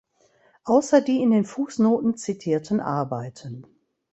Außer die in den Fußnoten zitierten Arbeiten.